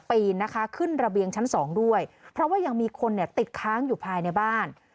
ปีนนะคะขึ้นระเบียงชั้นสองด้วยเพราะว่ายังมีคนเนี่ยติดค้างอยู่ภายในบ้าน